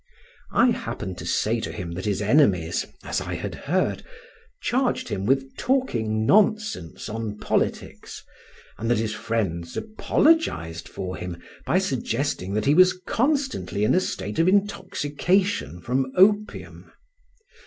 I happened to say to him that his enemies (as I had heard) charged him with talking nonsense on politics, and that his friends apologized for him by suggesting that he was constantly in a state of intoxication from opium.